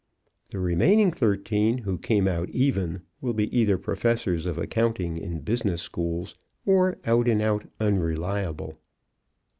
The remaining thirteen, who came out even, will be either professors of accounting in business schools or out and out unreliable.